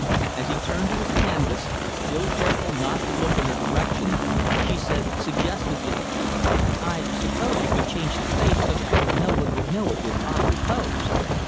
As he turned to his canvas still careful not to look in her direction she said, suggestively, "I suppose you could change the face so that no one would know it was I who posed."